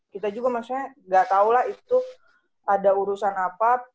kita juga maksudnya nggak tahu lah itu ada urusan apa